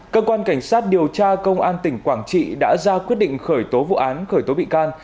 cơ quan cảnh sát điều tra công an tỉnh quảng trị đã ra quyết định khởi tố vụ án khởi tố bị can